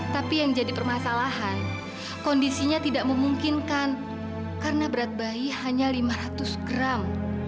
tapi yang jadi permasalahan kondisinya tidak memungkinkan karena berat bayi hanya lima ratus gram